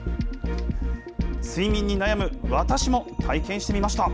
睡眠に悩む私も、体験してみました。